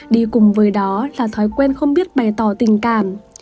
đi cùng với đó là thói quen không biết bày tỏ tình cảm